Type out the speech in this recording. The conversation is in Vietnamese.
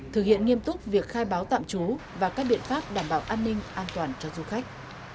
thực hiện nghiêm túc việc khai báo tạm trú và các biện pháp đảm bảo an ninh an toàn cho du khách